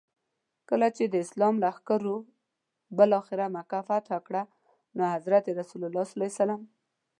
کله چي د اسلام لښکرو بالاخره مکه فتح کړه نو حضرت رسول ص.